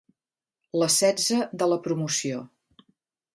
La setze de la promoció.